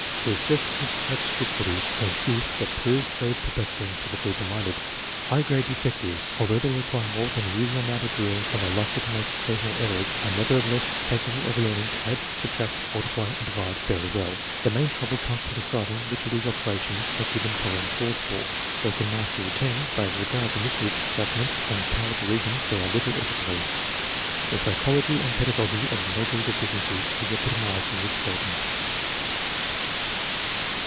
It is just such difficulties as this that prove so perplex ing to the feeble minded. High grade defectives, although they require more than the usual amount of drill and are likely to make occasional errors, are nevertheless capable of learning to add, subtract, multiply, and divide fairly well. Their main trouble comes in deciding which of these operations a given problem calls for. They can master routine, but as regards initiative, judgment, and power to reason they are little educable. The psychology and peda gogy of mental deficiency is epitomized in this statement.